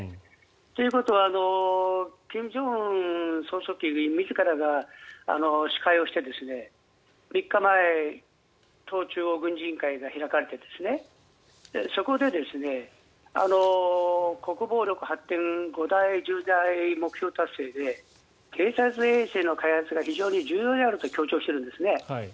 ということは金正恩総書記自らが司会をして３日前党中央軍事委員会が開かれてそこで国防力発展５大重大目標達成で偵察衛星の開発が重要であるとしているんですね。